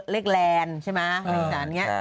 เรียกแลนด์ใช่ไหมใช่ไหม